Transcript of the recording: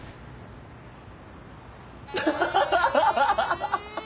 ハハハハハ！